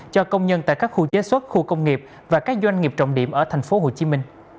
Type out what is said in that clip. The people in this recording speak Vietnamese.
cho công nhân tại các khu chế xuất khu công nghiệp và các doanh nghiệp trọng điểm ở tp hcm